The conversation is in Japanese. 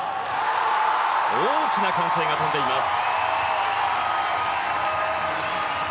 大きな歓声が飛んでいます。